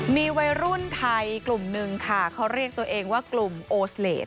มีวัยรุ่นไทยกลุ่มหนึ่งค่ะเขาเรียกตัวเองว่ากลุ่มโอสเลส